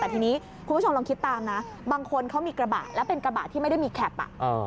แต่ทีนี้คุณผู้ชมลองคิดตามนะบางคนเขามีกระบะแล้วเป็นกระบะที่ไม่ได้มีแคป